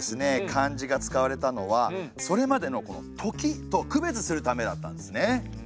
漢字が使われたのはそれまでの「とき」と区別するためだったんですね。